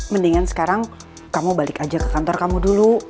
mendingan sekarang kamu balik aja ke kantor kamu dulu